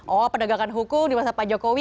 oh pendagangan hukum di masa pak jokowi